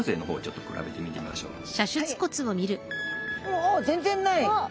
お全然ない！